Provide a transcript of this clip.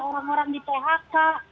orang orang di phk